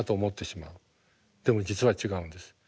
でも実は違うんです。